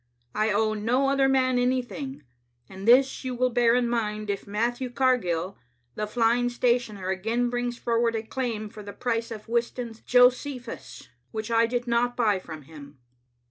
I owe no other man anything, and this you will bear in mind if Matthew Cargill, the flying stationer, again brings forward a claim for the price of Whiston's *Josephus,' which I did not buy from him.